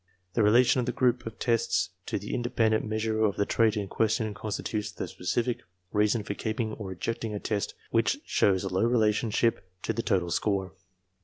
The relation of the group of tests to the independent measure of the trait in question constitutes the specific reason for keeping or rejecting a test which shows low relationship to the total score.